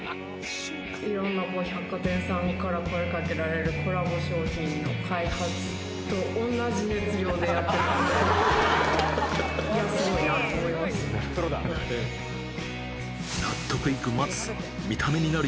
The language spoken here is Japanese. いろんな百貨店さんから声かけられるコラボ商品の開発と同じ熱量でやってる。